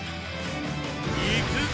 いくぞ！